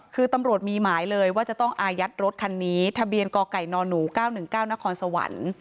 คือตำรวจมีหมายเลยว่าจะต้องอายัดรถคันนี้ทะเบียนกไก่นหนู๙๑๙นครสวรรค์